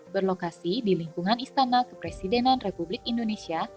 berlokasi di lingkungan istana kepresidenan republik indonesia